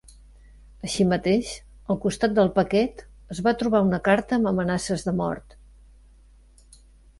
Així mateix, al costat del paquet es va trobar una carta amb amenaces de mort.